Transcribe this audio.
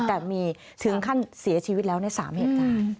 แต่มีถึงขั้นเสียชีวิตแล้วใน๓เหตุการณ์